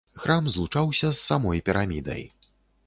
Храм злучаўся з самой пірамідай.